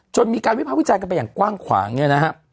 มีการวิภาควิจารณ์กันไปอย่างกว้างขวางเนี่ยนะฮะ